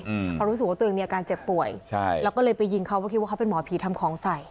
อืมเพราะรู้สึกว่าตัวเองมีอาการเจ็บป่วยใช่แล้วก็เลยไปยิงเขาเพราะคิดว่าเขาเป็นหมอผีทำของใส่